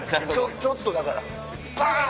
ちょっとだから。